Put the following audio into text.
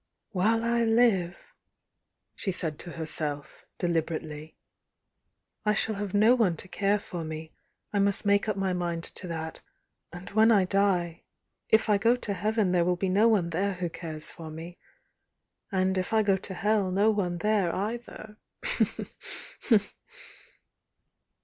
. "While I live," she said to herself, deliberately, "I shall have no one to care for me — I must make up my mind to that. And when I die, — if I go to heaven there will be no one there who cares for me, — and, if I go to hell, no one there either!"